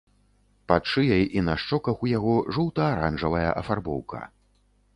Пад шыяй і на шчоках у яго жоўта-аранжавая афарбоўка.